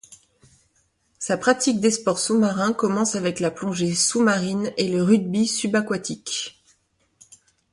Sa pratique des sports sous-marins commence avec la plongée sous-marine et le rugby subaquatique.